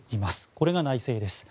これが内政です。